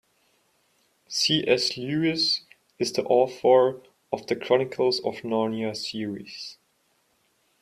C.S. Lewis is the author of The Chronicles of Narnia series.